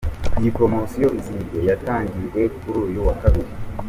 Iyi poromosiyo “Izihirwe”yatangijwe kuri uyu wa Kabiri.